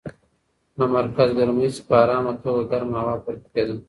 له مرکز ګرمۍ څخه په ارامه توګه ګرمه هوا پورته کېده.